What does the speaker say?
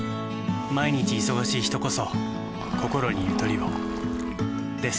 毎日忙しい人こそこころにゆとりをです。